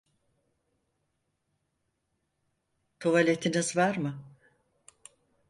Tuvaletiniz var mı?